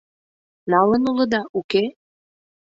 Налын улыда, уке?